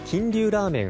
ラーメン